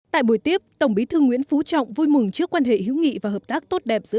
tại buổi tiếp tổng bí thư nguyễn phú trọng vui mừng trước quan hệ hữu nghị và hợp tác tốt đẹp giữa